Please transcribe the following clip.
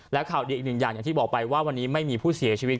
และข่าวดีอีกหนึ่งอย่างอย่างที่บอกไปว่าวันนี้ไม่มีผู้เสียชีวิต